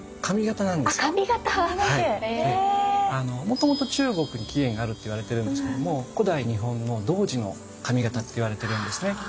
もともと中国に起源があるっていわれてるんですけども古代日本の童子の髪形っていわれてるんですね。